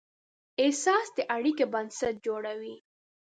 احساس د اړیکې بنسټ جوړوي.